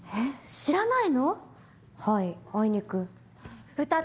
知らない？